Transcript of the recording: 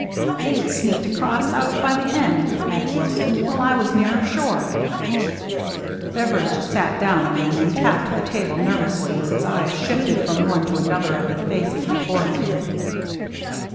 "They'd sneaked across out by the end," added Wilson, " while I was nearer shore." Beveridge sat down again, and tapped the table nervously as his eyes shifted from one to another of the faces before him.